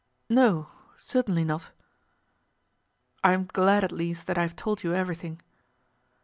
"No; certainly not." "I am glad at least that I have told you everything."